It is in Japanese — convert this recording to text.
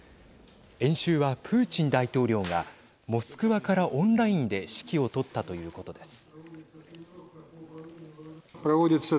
演習はプーチン大統領がモスクワからオンラインで指揮を執ったということです。